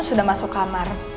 sudah masuk kamar